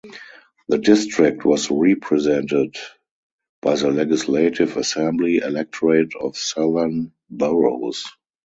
The district was represented by the Legislative Assembly electorate of Southern Boroughs.